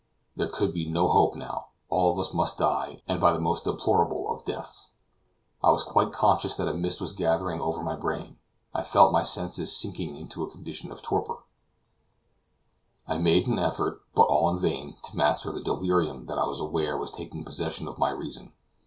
There could be no hope now; all of us must die, and by the most deplorable of deaths. I was quite conscious that a mist was gathering over my brain; I felt my senses sinking into a condition of torpor; I made an effort, but all in vain, to master the delirium that I was aware was taking possession of my reason.